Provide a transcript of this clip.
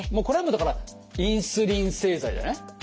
これはもうだからインスリン製剤じゃない？